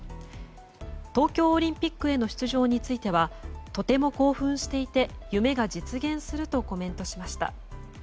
東京オリンピックへの出場についてはとても興奮していて夢が実現するとコメントしました。